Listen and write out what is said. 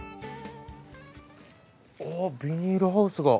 ビニールハウスが。